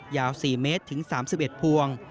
ยาว๔เมตรถึง๓๑พวง